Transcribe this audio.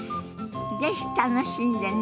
是非楽しんでね。